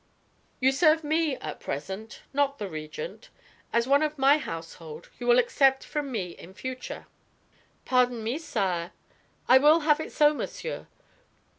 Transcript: "You serve me at present, not the Regent. As one of my household, you will accept from me in future." "Pardon me, sire " "I will have it so, monsieur.